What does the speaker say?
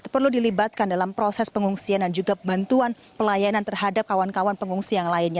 perlu dilibatkan dalam proses pengungsian dan juga bantuan pelayanan terhadap kawan kawan pengungsi yang lainnya